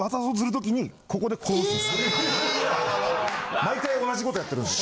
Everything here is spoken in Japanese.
毎回同じことやってるんですよ。